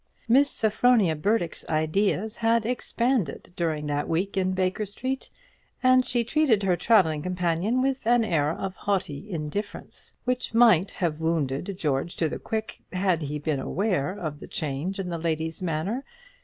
Miss Sophronia Burdock's ideas had expanded during that week in Baker Street, and she treated her travelling companion with an air of haughty indifference, which might have wounded George to the quick had he been aware of the change in the lady's manner.